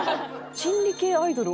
心理系アイドル？